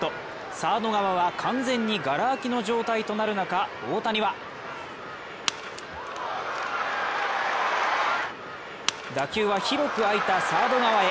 サード側は完全にがら空きの状態となる中、大谷は打球は広く空いたサード側へ。